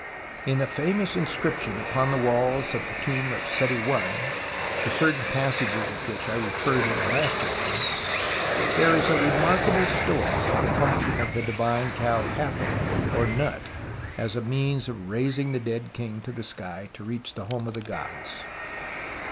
In the famous inscription upon the walls of the tomb of Seti I, to certain passages of which I referred in the last chapter, there is a remarkable story of the function of the Divine Cow Hathor or Nut as a means of 104 TUTANKHAMEN raising the dead king to the sky to reach the home of the gods.